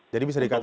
jadi bisa dikatakan